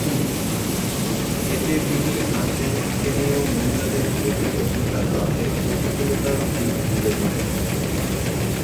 এতে তিনি আর্জেন্টেনীয় মহিলাদের ভোটের অধিকার লাভে প্রতিকূলতার দিক তুলে ধরেন।